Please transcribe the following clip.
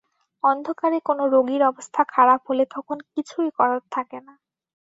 অন্ধকারে কোনো রোগীর অবস্থা খারাপ হলে তখন কিছুই করার থাকে না।